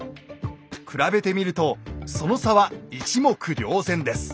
比べてみるとその差は一目瞭然です。